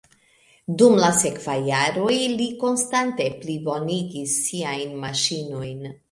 Dum la sekvaj jaroj li konstante plibonigis siajn maŝinojn.